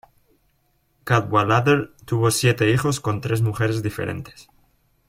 Cadwaladr tuvo siete hijos con tres mujeres diferentes.